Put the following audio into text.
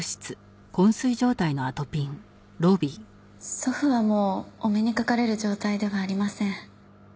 祖父はもうお目にかかれる状態ではありません。